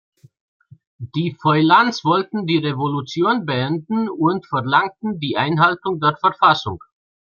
Die Feuillants „wollten die Revolution beenden“ und verlangten die Einhaltung der Verfassung.